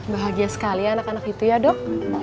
bahagia sekali anak anak itu ya dok